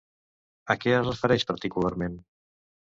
A què es refereix particularment?